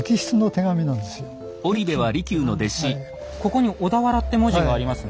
ここに「小田原」って文字がありますね。